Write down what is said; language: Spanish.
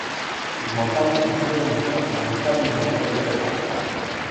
Sus montañas se extienden entre Afganistán y el noroeste de Pakistán.